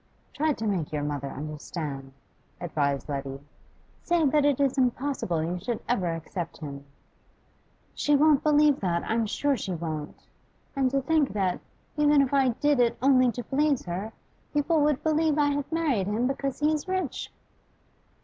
'Try to make your mother understand,' advised Letty. 'Say that it is impossible you should ever accept him.' 'She won't believe that, I'm sure she won't. And to think that, even if I did it only to please her, people would believe I had married him because he is rich!